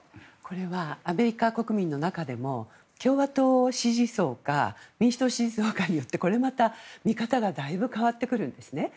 アメリカ国民の中でも共和党支持層か民主党支持層かによってだいぶ変わってくるんですね。